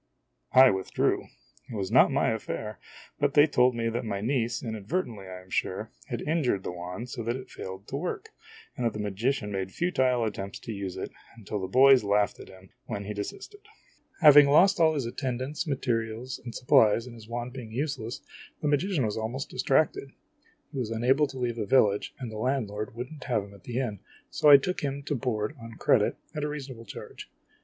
I withdrew. It was not my affair, but they told me that my niece, inadvertently I am sure, had injured the wand so that it failed to work, and that the magician made futile attempts to use it, until the boys laughed at him, when he desisted. Having lost all his attendants, materials, and supplies, and his wand beincr useless, the magician was almost distracted. > O He was unable to leave the village, and the landlord would n't o have him at the inn, so I took him to board on credit, at a reason able charge.